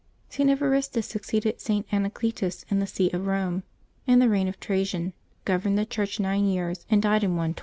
,T. EvARisTus succeeded St. Anacletus in the see of Kome, in the reign of Trajan, governed the Church nine years, and died in 112.